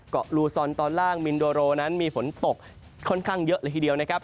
ลูซอนตอนล่างมินโดโรนั้นมีฝนตกค่อนข้างเยอะเลยทีเดียวนะครับ